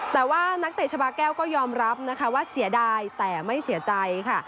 แต่ว่านักเตะชาบาแก้วก็ยอมรับนะคะว่าเสียดายแต่ไม่เสียใจค่ะ